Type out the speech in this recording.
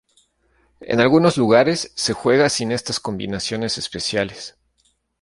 En algunos lugares se juega sin estas combinaciones especiales.